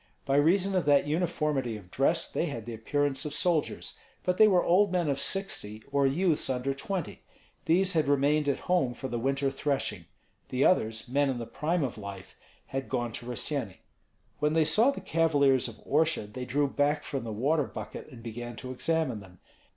By reason of that uniformity of dress they had the appearance of soldiers. But they were old men of sixty or youths under twenty. These had remained at home for the winter threshing; the others, men in the prime of life, had gone to Rossyeni. When they saw the cavaliers of Orsha, they drew back from the water bucket and began to examine them.